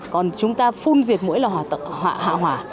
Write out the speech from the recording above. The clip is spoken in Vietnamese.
còn chúng ta phun diệt mũi là họa hỏa